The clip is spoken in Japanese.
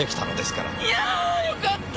いやよかった！